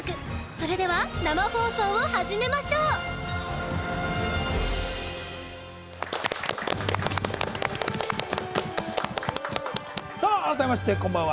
それでは生放送を始めましょう改めましてこんばんは。